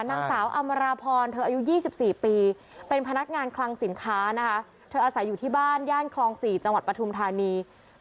นางสาวอำารพลเธออายุ๒๔ปี